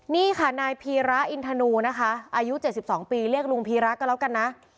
นี่ค่ะนายพีระอินทนูนะคะอายุ๗๒ปีเรียกลุงพีระก็แล้วกันนะ